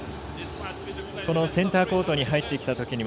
センターコートに入ってきたときにも